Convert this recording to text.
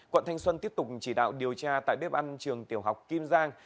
quận thanh xuân tiếp tục chỉ đạo điều tra tại bếp ăn trường tiểu học kim giang